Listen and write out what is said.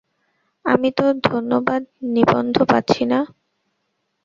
আমিতো ধনবাদ নিবন্ধ পাচ্ছি না।